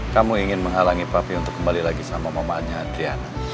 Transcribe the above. kamu ingin menghalangi pavi untuk kembali lagi sama mamanya adriana